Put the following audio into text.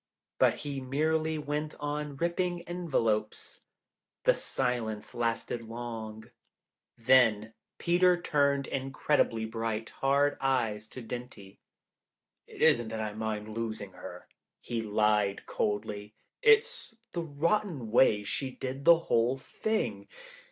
But he merely went on ripping envelopes. The silence lasted long. Then 80 The Fan Letter Bride {Continued from page 74) Peter turned incredibly bright, hard eyes to Dinty. "It isn't that I mind losing her," he lied coldly, "it's the rotten way she did the whole thing.